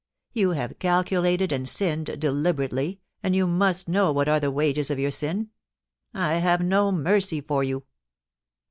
You have calculated and sinned deliberately, and you must know what are the wages of your sin. I have no mercy for you.'